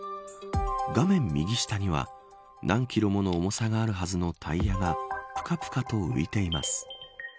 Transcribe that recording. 画面右下には何キロもの重さがあるはずのタイヤがぷかぷかと浮いています。